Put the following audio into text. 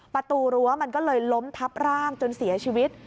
ประตูรั้วมันก็เลยล้มทับร่างจนเสียชีวิต